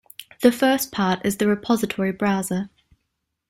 The first part is the repository browser.